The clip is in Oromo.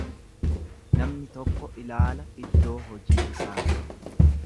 Namni tokko ilaala iddoo hojii isaa.